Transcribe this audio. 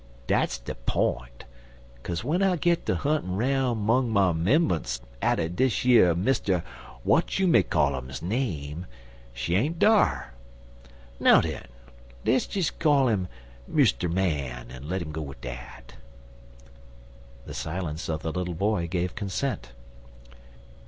Dat's de p'int, kase w'en I git ter huntin' 'roun' 'mong my 'membunce atter dish yer Mister W'atyoumaycollum's name, she ain't dar. Now den, le's des call 'im Mr. Man en let 'im go at dat." The silence of the little boy gave consent.